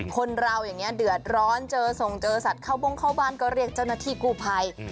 คนเราอย่างนี้เดือดร้อนเจอส่งเจอสัตว์เข้าบงเข้าบ้านก็เรียกเจ้าหน้าที่กู้ภัย